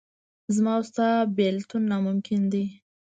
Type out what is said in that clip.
زما او ستا بېلتون ناممکن دی.